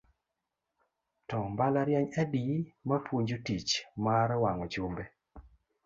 To mbalariany adi ma puonjo tich mar wang'o chumbe.